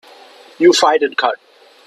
You fight it cut.